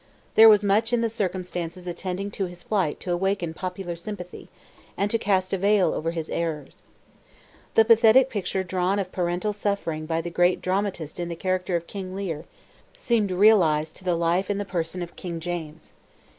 There was much in the circumstances attending his flight to awaken popular sympathy, and to cast a veil over his errors. The pathetic picture drawn of parental suffering by the great dramatist in the character of King Lear, seemed realized to the life in the person of King James.